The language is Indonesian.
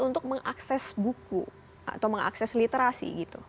untuk mengakses buku atau mengakses literasi gitu